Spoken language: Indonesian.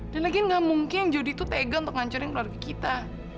dan lagi gak mungkin jodi tuh tega untuk hancurin keluarga kita